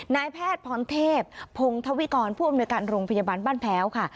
นายแพทย์พรเทพพงธวิกรผู้อำนวยการโรงพยาบาลบ้านแพ้วค่ะ